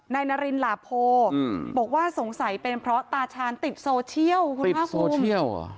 นายนารินหลาโพบอกว่าสงสัยเป็นเพราะตาชาญติดโซเชียลคุณภาคภูมิโซเชียลเหรอ